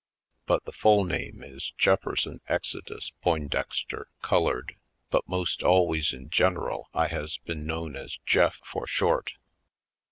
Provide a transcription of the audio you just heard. But the full name is Jefferson Exodus Poindexter, Colored. But most always in general I has been known as Jeff, for short.